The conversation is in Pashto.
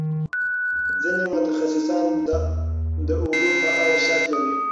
ځینې متخصصان د اولو په اړه شک لري.